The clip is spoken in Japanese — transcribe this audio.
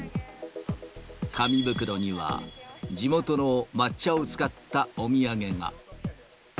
紙袋には、地元の抹茶を使ったお土産が。